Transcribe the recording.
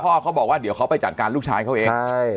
เขาบอกว่าเดี๋ยวเขาไปจัดการลูกชายเขาเอง